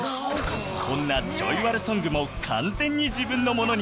こんなちょいワルソングも完全に自分のものに！